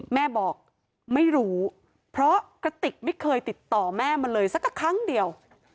แม่บอกไม่รู้เพราะกระติกไม่เคยติดต่อแม่มาเลยสักครั้งเดียว